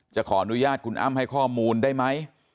ขออนุญาตคุณอ้ำให้ข้อมูลได้ไหม